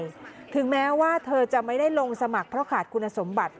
ถึงแม้ว่าเธอจะไม่ได้ลงสมัครเพราะขาดคุณสมบัติ